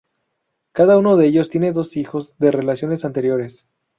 Cada uno de ellos tiene dos hijos de relaciones anteriores.